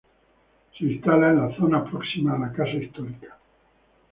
Se instala en una zona próxima a la casa histórica.